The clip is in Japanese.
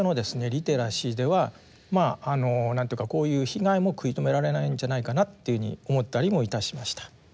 リテラシーではまあ何て言うかこういう被害も食い止められないんじゃないかなっていうふうに思ったりもいたしました。